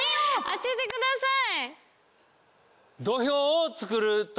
当ててください！